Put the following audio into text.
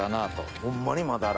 ホンマにまだら。